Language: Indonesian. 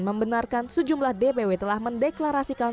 membenarkan sejumlah dpw telah mendeklarasikan